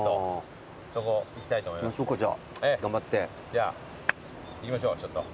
じゃあ行きましょうちょっと。